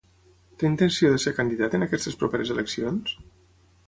Té intenció de ser candidat en aquestes properes eleccions?